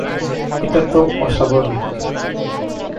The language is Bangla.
এটা তো অস্বাভাবিক।